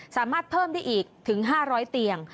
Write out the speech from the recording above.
สามารถเพิ่มได้อีกถึง๕๐๐เตียง